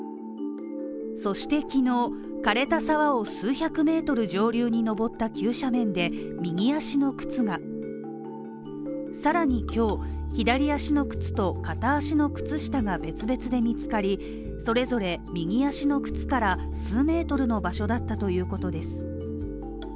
そして昨日の枯れた沢を数百ｍ上流に上った急斜面で右足の靴がさらに今日、左足の靴と片足の靴下が別々で見つかり、それぞれ右足の靴から数ｍの場所だったということです。